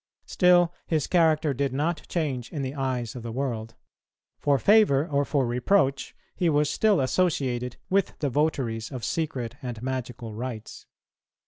Still his character did not change in the eyes of the world; for favour or for reproach, he was still associated with the votaries of secret and magical rites.